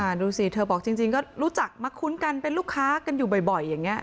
ดูสิเธอบอกจริงก็รู้จักมาคุ้นกันเป็นลูกค้ากันอยู่บ่อยอย่างนี้